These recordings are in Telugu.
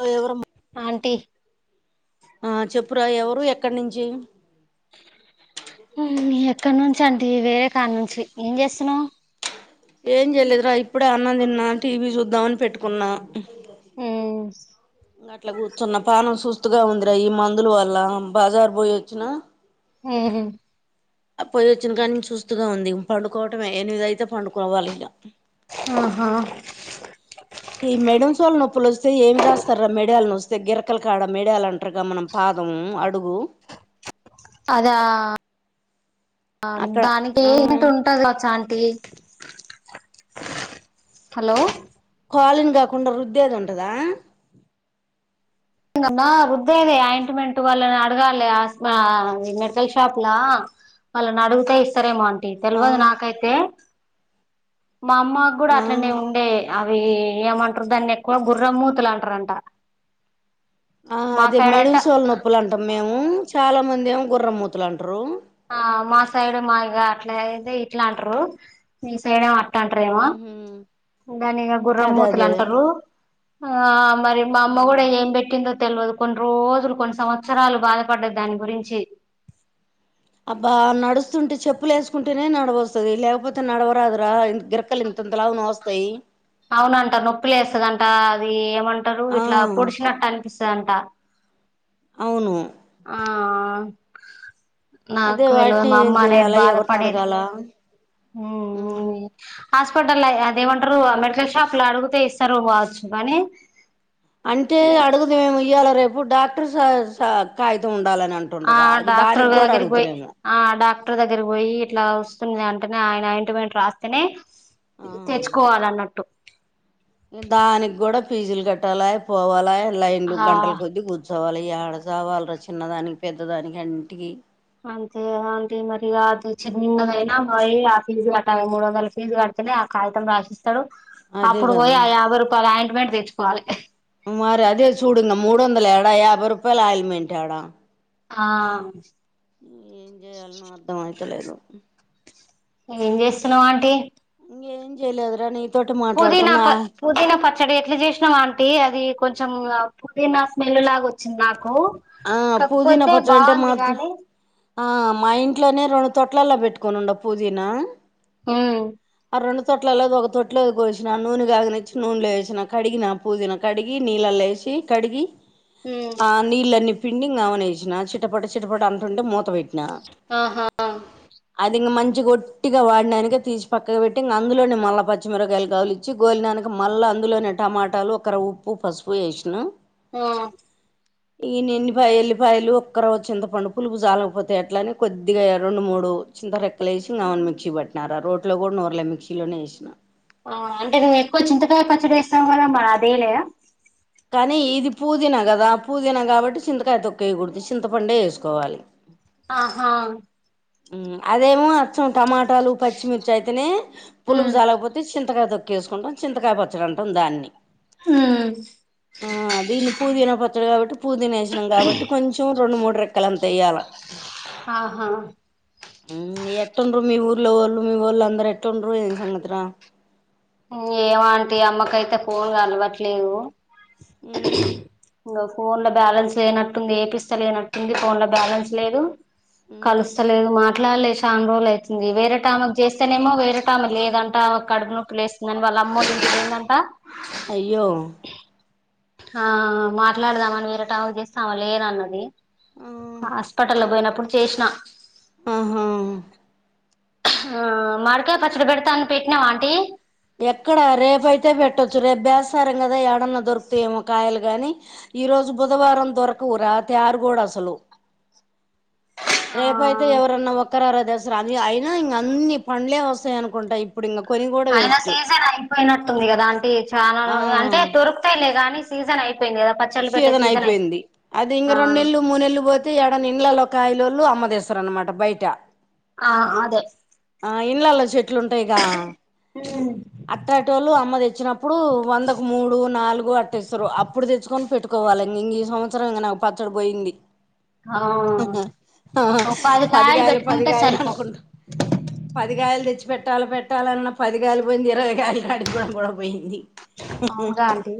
లో ఎవరమ్మ ఆంటీ ఆ చెప్పురా ఎవరు ఎక్కడ్నించీ ఎక్కడి నుంచి అండి వేరే కాడ నుంచి ఏం చేస్తున్నావు ఏం చెయలేదురా ఇప్పుడే అన్నమ్ తిన్నా టీవీ చూద్దామని పెట్టుకున్నా ఆ అట్లా కూర్చున్న పానం సుస్తుగా ఉందిరా ఈ మందులు వల్ల బజార్ పోయి వచ్చిన హ ఆ పోయి వచ్చిన కానీ చూస్తుూగా ఉంది పండుకోవటమే ఎనిమిద అయితే పండుకోవాలి ఇలా ఆహా ఈ మెడిన్స్ వాళు నొప్పులు వస్తే ఏమి రాస్తారా మెడయాల నొస్తే గిరకలు కాడ మెడయలు అంటారుగా మనం పా పదము అడుగు అద అక్కడ దానికి ఆ ఏంట ఉంటుది చా హలో పాలిన్ కాకుండా రుద్దేది ఉంటదా మ్మా వుద్ద అది ఆయింట్మెంట్ వాళ్లని అడగాలి మెడికల్ షాప్లా వాళ్ళని అడుగుతే ఇస్తారేమో అంటీ ఆ తెలియదు నాకైతే మా అమ్మ కూడా అట్లనే ఆ ఉండే అవి ఏమంటారు దాన్ని ఎక్కువ గుర్రంమూతులు అంటారంట [inaudible] ఆ మా అదే సైడ్ అయితే మెడింసోళ నొప్పులు అంటాం మేము చాలా మంది ఏమో గుర్రంమూతులు అంటారు ఆ మా సైడు మాయగ అట్లాద ఇట్లా అంటారు మీ సైడే అ అంటారు ఏమ ఉహు దాని అదే గుర్రంమూతులు అదే అంటారు ఆ మరి మా అమ్మ కూడా ఏం పెట్టిందో తెలియదు కొన్ని రోజులు కొన్ని సంవత్సరాలు బాధపడ్డది దాని గురించి అబ్బా నడుస్తుంటే చెప్పులు వేసుకుంటేనే నడవ వస్తుది లేకపోతే నడవరాదురా గిరక్కలు ఇంత తంతలావు వస్తాయి అవునంట నొప్పి లే వేస్తదంట అది ఏమంటారు ఆ ఇట్లా పొడిచినట్టటు సంట అవును ఆహ అదే నాకు తెలిదు వాటిని మా ఏం అమ్మ అనేది చెయ్యాలా ఎవరిని బాధపడేది అడగాల హాస్పిటల్ అదేమంటారు మెడికల్ షాప్ లో అడిగుతే ఇస్తారు పోవచ్చు కానీ అంటే అడుగుదు ఏమి ఇయ్యాల రేపు డాక్టర్ కాగితం ఉండాలని ఆ అంటుండ్రుగా డాక్టర్ దానికి కూడా వగరి పోయి అడుగుతురేమో డాక్ కుటర్ దగ్గర పోయి ఇట్లా వస్తుంది అంటేనే ఆయన ఇంటి పం రాస్తేనే ఆ తెచ్చుకోవాల అన్నట్టు దానికి కూడా పీజీలు కట్టాలి పోవాలా లైన్లు ఆ గంటల కొద్ద్దీ కూర్చు సవాళ్ళ ఈ ఆడస వాళ్ళు చిన్న దానికి పెద్ద దానికి అంటికి అంతే అంటే మరి అది చిన్నన్నదయినా మ ఆ ఫీజు కట్టాలి మూడు వందల ఫీజు కట్ట అనే ఆ కాగితం రాసిస్తాడు అదే అప్పుడు పోయి కదా ఆ యాభై రూపాయలు అయింట్మెంట్ తెచ్చుకోవాలి మరి అదే చూడుంగ మూడు వందల ఎడా యాభై రూపాయల ఆయల్మెంట్ ఎడా ఆ ఏం చేయాల అర్థమయితలేదు ఏం చేస్తున్నావా ఆంటీ ఇం ఏం చేలేదు పుదీనా ప పుదీనా పచ్చడి ఎట్లా చేసినావా అంటి అది కొంచం కొంచెం పుదీనా స్మెల్ లాగా వచ్చింది నాకు ఆ పుదీనా కాకపోతే పచ్చడి అంటే బాగుంది మాత్ గాని ఆ మా ఇంట్లోనే రెండు తొట్లలా పెట్టుకోనిండ పూదీనా హ రెండు తొట్లలోది ఒక తొట్లో పోసిన నూనె కాగా నచ్చి నూనె వసిన కడిగిన పూదిన కడిగి నీళ్ళ కసిి కడిగి ఉమ్ ఆ నీళ్ళీ పిండి కామని వసిన చిట్టపట చిట్టపట అంటుంటే మూత పెట్టి ఆహా అదింగ మంచించి కొట్టిగా వాడినాక తీసి పక్క పెట్టిక అందులోనే మల్ల పచ్చిమిరకాయలు కావులు ఇచ్చి గోలినాక మల్ా అందులోని టమాటాలు ఒకరు ఉప్పు పసుపు వేసిన ఆహ ఇ నను ల్లి ఎల్లిపాయలు ఒక్కరు చింతపండు పులుపు జాలకపోతే అట్లని కొద్దిగా రెండు మూడు చింత రెక్కలు సివన్ మిక్సీ పట్టినారా రోట్ లో కూడా నూర్ల మిక్సీలోనే వేసిన సా మ అదేలే కానీ ఇది పూదీనా కదా పూదీనా కాబట్టి చింతకాయ తొక్కేయకూడదు చింతపండే వేసుకోవాలి ఆహా అదేమో అర్సం టమాటాలు పచ్చిమిర్చి అయితేనే ఉమ్ పులుపు జాలకపోతే చింతకా తొకు కేసుకుంటాం చింతకాయ పచ్చడం అంటాం దాన్ని ఆ ఆ దీన్ని పుదీనా పచ్చడు కాబట్టి పుదీనా వేసినాం కాబట్టి కొంచెం రెండు మూడు రెక్కల అంతా వయ్యాల ఆాహా ఊ ఎట్టుండ్రు మీ ఊర్ల ఓళ్ళు మీ ఒళ్ళు అందరు ఎటుండ్రు ఏం సంగతి రా ఏమో ఆంటీ అమ్మకైతే ఫోన్ కలవట్లేదు ఊ ఇంకా ఫోన్ లో బ్యాలెన్స్ లేనట్టుంది ఏపిస్తా లేనట్టుంది ఫోన్ ల బ్యాలెన్స్ లేదు మ్మ్ కలుస్తలేదు మా అట్లాలేస షాన్ రోలు అవుతుంది వేరేటామాకు చేస్తేనేమో వేరే టైమ లేదంటా ఆమెకు కడుపు నొప్పి లేస్ నను వాళ్ళ అమ్మ ల ఇంటికి పోయిందంట అయ్యో ఆ మాట్లాడదామని వేరటామకు చేస్తె ఆమ లేరన్నది ఆ హాస్పటల పోయినప్పుడు చేేష్ణ ఆహా ఆహ్హ్ మార్కాయ పచ్చడి పెడతాని పెట్టినవ ఆంటీ ఎక్కడ రేపయితే పెట్టొచ్చు రేపు బేసారం కదా ఏడన్నా దొరుకుతాయేమో కాయలు గాని ఈ రోజు బుధవారం దొరకవు రా తారుగూడ అసలు [inaudible] ఆ రేపయితే ఎవరన్నా ఒక్కరార దెస్ అసలు అది అయినా ఇంక అన్ని పండ్లే వస్తాయి అనుకుంటా ఇప్పుడు ఇంక కొని కూడా వేస్ అయినా సీజన్ అయిపోయినట్టుంది కదా ఆంటీ చాలా ఆ అంటే దొరుకుతాలే కాగానీ సీజన్ అయి అయిపోయింది కదా పచ్చళ్ళు పెట్టే సేసన్ సీజన్ అయిపోయింది అది ఇంక ఆ రెండు నెలలు మూడు నెలు పోతే ఏడ ఇండ్లల కాయలోళ్ళు అమ్మదేసరనమాట బయట ఆ అదే ఆ ఇండ్లల చెట్లు ఉంటాయిగా అట్టటోళ్లు అమ్ మ తెచ్చినప్పుడు వందకు మూడు నాలుగు అట్ట ఇస్తారు అప్పుడు తెచ్చుకొని పెట్టుకోవాలి ఇం ఇంగ ఈ సంవసరం ఇక నాకు పచ్చడి పోయింది ఆ ఆ ఒక పది కాయలు పదిగాయలు పెట్టుకుంటే పదిగాయలు సరిపో అనుకుంటా పదిగాయలు తెచ్చి పెట్టాలి పెట్టాలన్న పదిగాయలు పోయింది ఇరవై కాయలడి కూడా కూడా పోయింది అవునుగా ఆంటీ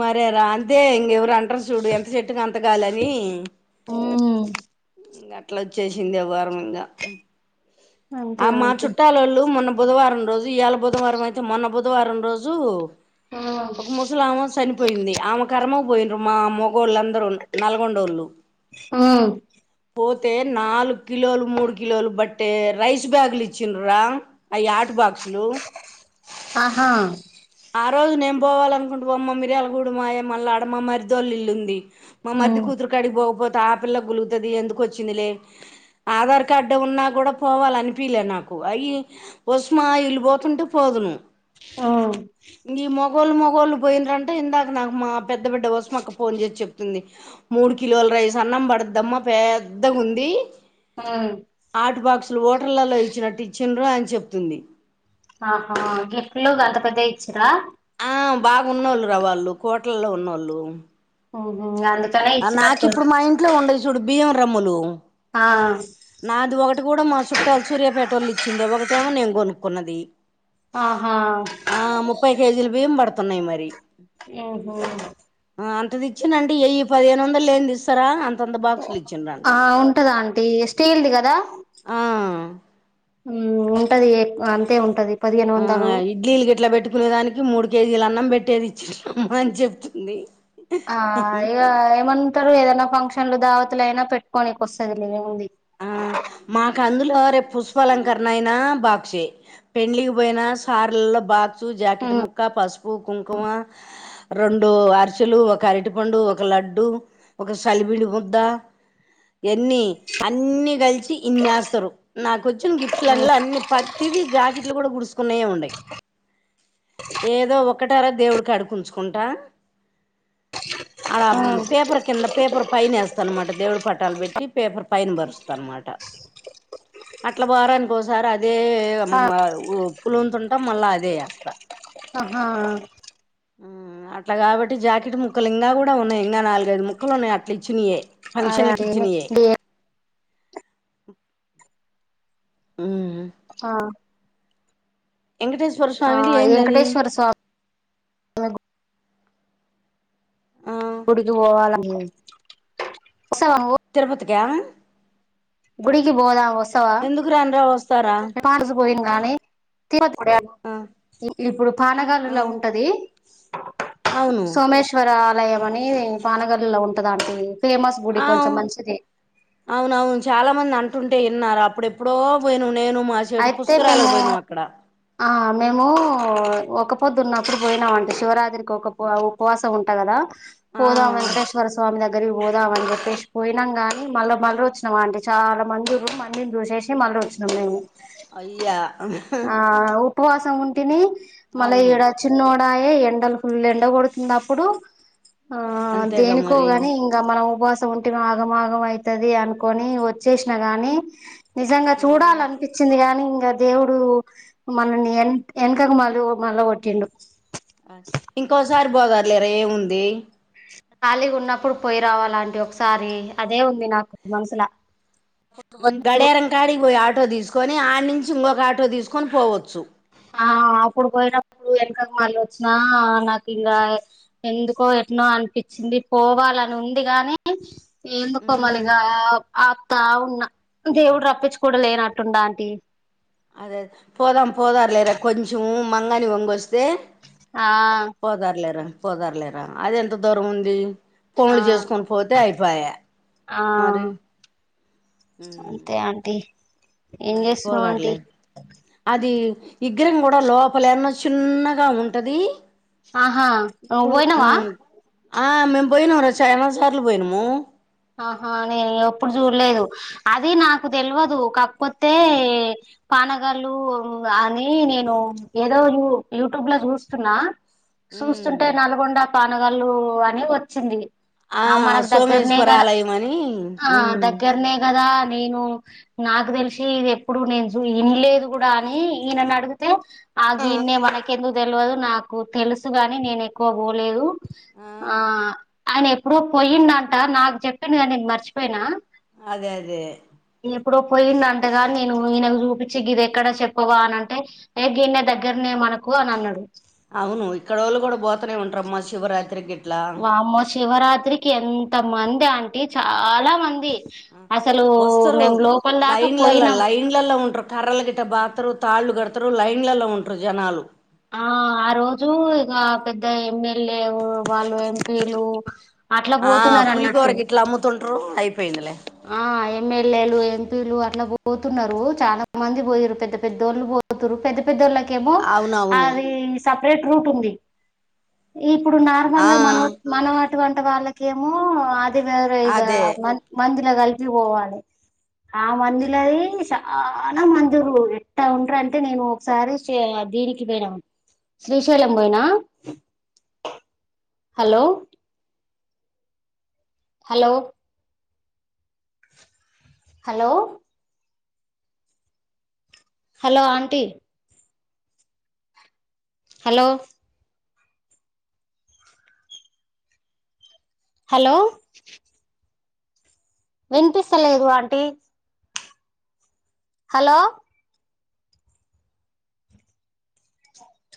మరే రాన్ అదే ఇంకెవరు అంటారు చూడు ఎంత చెట్టుకు అంతకాలని మ్మ్ ఇంగ్ అట్ అట్లా వచ్చేసింది ఎవార మింగా అంతే ఆ మా ఆంటీ చుట్టాలోళ్ళు మొన్న బుధవారం రోజు ఇయాళ బుధవారం అయితే మొన్న బుధవారం రోజు ఒక ముసలామ చనిపోయింది ఆమె కర్మ పోయింండ్రు మా మొ గోళ్ళు అందరు నూ నల్గొండోళ్ళు మ్మ్ పోత్ తె నాలుగు కిలోలు మూడు కిలోలు బట్టే రైస్ బ్యాగులు ఇచ్చిన్రా అయి ఆటు బాక్స్ హలో ఆహా ఆ రోజు నేను పోవాలనుకుంటు బ అమ్మిరియాలగూడ మాయ మళ్ళీ ఆడమ్మ మరిదొల్లిల్లుంది మా మరిది మ్మ్ కూతురు కడిగిపోకపోతే ఆపిల్ల గులుగుతది ఎందుకు వచ్చిందిలే ఆధార్ కార్డు ఉన్నా కూడా పోవాల అనిపిలే నాకు అయి ఉస్మా ఈలు పోతుంటే పోదును ఆ ఈ మొగోళ్లు మొగోళ్ళు పోయిండ్రాంటా ఇందాక నాకు మా పెద్ద బిడ్డ కోసం అక్క ఫోన్ చేసి చెప్తుంది మూడు కిలోల రైస్ అన్నం పడదమ్మా పెద్దగా ఉంది ఆటు బాక్సులు ఓటర్లలో ఇచ్చినట్టు ఇచ్చిండ్రు అని చెప్తుంది ఆహా గిప్ట్ లు గంతపెద్దయ్ ఇచ్చిరా ఆ బాగున్నోళ్ళు రా వాళ్ళు కోట్లల్లో ఉన్నోళ్ళు అవునా గందుక్ ఆ నాకిప్పుడు ఇంట్లో ఉండయి చూడు బియ్యం రమ్ములు ఆ నాది ఒకటి కూడా మా చుట్టాలు సూర్యాపేటోళ్ళు ఇచ్చింది ఒకటేమో నేను కొనుక్కున్నది ఆహా ఆ ముప్పై కేజీలు బియ్యం పడుతున్నయి మరి ఊహు అంత ఇచ్చినండి ఏయ్యి పదిహేను వందలు లేని ఇస్తారా అంత ఆ ఉంటది అంటీ స్టీల్ది కదా ఆ ఉంటది అంతే ఉంటది పదిహేను ఆ వందలు ఇడ్లీలు గ ఇట్లా పెట్టుకునే దానికి మూడు కేజీల అన్నం పెట్టేది ఇచ్చినమ్మ అని చెప్తుంది ఆ ఇక ఏమంటారు ఏదైనా ఫంక్షన్లు దావతలు అయినా పెట్టుకోనేనికి వస్తది లేముంది ఆ మాకు అందు రేపు పుష్పలంకరణ అయినా బాక్ష పెళ్లిళ్లకు పోయినా సార్లల్లో బా జాకెట్ ముక్క పస్ పు కుంకుమ రెండు అరిచలు ఒక అరటి పండు ఒక లడ్డు ఒక విడి ముద్ద ఎన్ని అన్నీ కలిసి ఇన్నేస్తారు నాక వచ్చిన గిఫ్ట్లన్నలో అన్ని ప ఇది జాకెట్లు కూడా గుడుసుకున్నాయో ఉండయి ఏదో ఒకటార దేవుడికి ఉంచుకుంటా అడ ఆ పేపర్ కింద పేపర్ పైన వేస్తా అనమాట దేవుడి పటాలు పెట్టి పేపర్ పైన పరుస్తానమాట అట్లా బారానికి ఒకసారి అదేమ్మ పులుతుంటాం మళ్ళా అదే ఏస్తా ఆ అట్లా కాబట్టి జాకెట్ ముక్కలు ఇంకా కూడా ఉన్నాయి ఇంకా నాలుగైదు ముక్కలు ఉన్నాయి అట్లా ఇచ్చినవియే అదే ఫంక్షన్లకి అదే ఇచ్చినయే నెక్స్ట్ డే ఉ ఆ వెంకటేశ్వర ఆ స్వామిది ఏందది వెంకటేశ్వర స్వామి ఆ గుడికి పోవాల వసవ నువు ఎం గుడికి పోదాము వసవా రానురా వస్తారా కాడస పోయి కానీ తవా ఆ ఇప్పుడు ఆ పానగాలులా ఉంటది అవును సోమేశ్వర ఆలయం అని పాన్గల్లిలో ఉంటద అంట ఆ అవునవును చాలా మంది అంటుంటే విన్నారు అప్పుడెప్పుడో పోయిన అయితే మేము ఆ మేము ఒక పొద్దున్నప్పుడు పోయినామంటే శివరాత్రికి ఒక ఉపవాసం ఉంట కదా ఆ పోదాం వెంకటేశ్వర స్వామి దగ్గరికి పోదాం అని చెప్పేసి పోయిం కాని మళ్ళా మళ్ళీ వచ్చినాం అంటే చాలా మందు మందిని చూసేసి మళ్ళ వచ్చినాం మేము అయ్యా ఆహ్ ఆ ఉపవాసం ఉంటేని మళ్ళ ఇడ చిన్నోడాయే ఎండలు ఫుల్లు ఎండ కొడుతుప్పుడు ఆ అంతేగా మరి దేనికోగాని ఇంకా మన ఉ ఉంటి ఆగంమాగం అవుతుంది అనుకోని వచ్చేసిన గాని నిజంగా ఆ చూడాలనుకు కాని ఇంకా దేవుడు మనల్ని ఎన్ వెనకకు మళ్ళీ మళ్ళా కొట్టిండు ఇంకోసారి పోగర్లేరా ఏముంది ఖాళీగా ఉన్నప్పుడు పోయి రావాలంటే ఒకసారి అదే ఉంది నాకు మనసుల గడేరం కాడి పోయీ ఆటో తీసుకొని ఆడి నుంచి ఇంకొక ఆటో తీసుకొని పోవచ్చు ఆ అప్పుడు పోయినప్పుడు వెనక వాళ్ళ వచ్చినా నాకు ఇంకా ఎందుకో ట్నో అనిపించింది పోవాలని ఉంది గాని ఎందుకోమలిగా అపత్తా ఉన్న దేవుడు రప్పించు కూడా లేనట్టుడా ఆంటీ అదే పోదా పోదాలేరా కొంచం మంగణి వంగచ్చ దే ఆ పోదారులేరా పోదారులేరా అది ఎంత దూరం ఉంది ఆ పనులు చేసుకొని పోతే అయిపైయా ఆ మరి అంతే ఆంటీ ఏం మరే చేస్తున్నావ్ ఆంటీ పోదారులే అది విగ్రహం కూడా లోపల ఎన్నో చిన్నగా ఉంటది. ఆహా నువ్వు ఇప్పుడు పోయినావా మ్మ్ ఆ మేము బోయినాం రా చ్చ ఎన్నో సార్లు పోయినాము. ఆహా నేను ఎప్పుడు చూడలేదు. అది నాకు తెలువదు. కకా పోతే మ్మ్ పానగాళ్ళు అని నేను ఏదో యు యూట్యూబ్లో చూస్తున్నా మ్మ్ చూస్తుంటే నల్గొండ పానగళ్ళు అని వోచ్చింది. ఆ మనకు దగ్గరనే సోమేశ్వర గాద ఆలయం అని ఆ మ్మ్ దగ్గరనే కా కదా నేను నాకు తెలిసి ఇది ఎప్పుడు నేను చూ వినలేదు కూడ అని ఈయనని అడుగుతే ఆ గీన్నే మనకెందుకు తెలువదు. నాకు తెలుసుగాని నేను ఎక్కువ పోలేదు. ఆ ఆయన ఎప్పుడో పోయిందంట నాకు చెప్పింది. కానీ నేను మర్చిపోయినా అదే అదే ఏక్కడో పోయింది. అంటగా నేను ఈయనకు చూపించి గీది ఎక్కడ చెప్పవా అనంటే గీన్నే న దగ్గరనే మనకు అని అన్నాడు అవును. ఇక్కడోళ్ళు కూడా పోతనే ఉంటారమ్మా శివరాత్రికి గిట్లా వామ్మో శివరాత్రికి ఎంత మంది ఆంటీ చాలా మంది అసలు వోస్తారు మేము లోపల దాకా లైన్ల్ల పోయినాం లైన్ల్ల ఉంటారు. కర్రలు గిట్ట బాదుతరు. తాళ్ళు కడు తరు లైన్ల ఉంటారు. జనాలు ఆ ఆ రోజు ఇగా పెద్ద ఎమ్మెల్యేలు వాళ్ళు ఎంపీలు అట్లా ఆ పోతున్నారు. పులిగోర అన్నట్టు గిట్ల అమ్ముతుంటరు అయిపోయిందిలే ఆ ఎమ్మెల్యేలు ఎంపీలు అట్లా పోతున్నారు. చాలా మంది పోయిర్రు పెద్ద పెద్దోళ్ళు పో తుర్రు పెద్ద పెద్దోళ్ళక ఏమో అవునవును అది సపరేట్ రూట్ ఉంది. ఈ ఇప్పుడు ఆ నార్మల్గా మన మన అటువంటి వాళ్ళకేమో అది వేరే ఇగా అదే మం దిల కలిపి పోవలే ఆ మంది లది చానా మంది ఉండ్రు ఎట్టా ఉంటారూ అంటే నేను ఒకసారి చే దీనికి పోయినావ శ్రీశైలం బోయినా hello hello hello hello aunty hello hello వినిపిస్తలేదు ఆంటీ హలో